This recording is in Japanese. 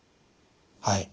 はい。